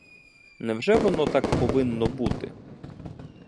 Невже воно так повинно бути?